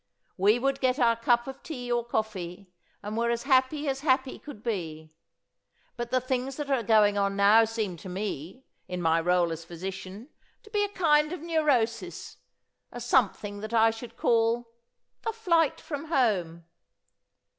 We would get our cup of tea or coffee and were as happy as happy as could be. But the things that are going on now seem to me, in my rôle as physician, to be a kind of neurosis, a something that I should call 'the flight from home!